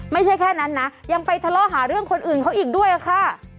ไม่ใช่แค่นั้นนะยังไปทะเลาะหาเรื่องคนอื่นเขาอีกด้วยค่ะ